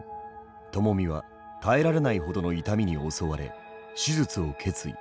ともみは耐えられないほどの痛みに襲われ手術を決意。